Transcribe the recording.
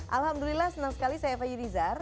alhamdulillah senang sekali saya faiyudizar